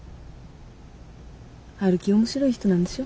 陽樹面白い人なんでしょ？